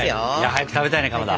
早く食べたいねかまど。